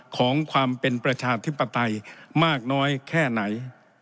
ของความเป็นประชาธิปไตยมากน้อยแค่ไหน